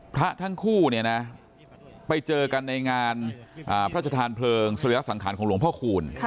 พระทั้งคู่เนี่ยนะไปเจอกันในงานพระชธานเพลิงสุริยสังขารของหลวงพ่อคูณ